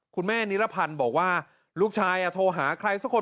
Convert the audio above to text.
นิรพันธ์บอกว่าลูกชายโทรหาใครสักคน